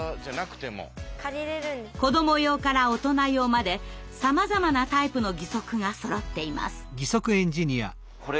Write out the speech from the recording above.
子ども用から大人用までさまざまなタイプの義足がそろっています。